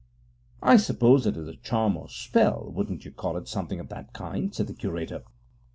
'I suppose it is a charm or a spell: wouldn't you call it something of that kind?' said the curator.